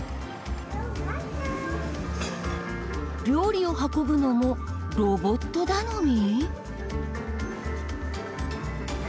料理を運ぶのも、ロボット頼み？